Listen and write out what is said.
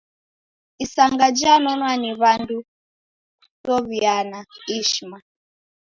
Isanga janonwa ni w'andu kusow'iana ishma.